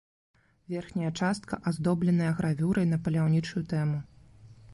Верхняя частка аздобленая гравюрай на паляўнічую тэму.